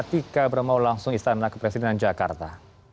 tika bermau langsung istana kepresidenan jakarta